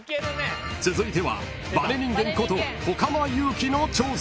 ［続いては「バネ人間」こと外間友喜の挑戦］